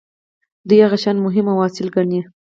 دي هغه شیان مهم او اصیل ګڼي.